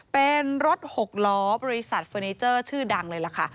เป็นรถหกล้อบริษัทเฟอร์นิเจอร์ชื่อดังเลยล่ะค่ะ